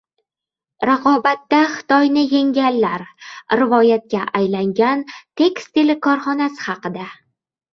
Raqobatda Xitoyni yengganlar. Rivoyatga aylangan tekstil korxonasi haqida